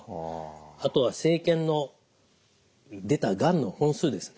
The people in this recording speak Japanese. あとは生検の出たがんの本数ですね。